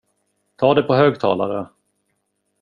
Ta det på högtalare!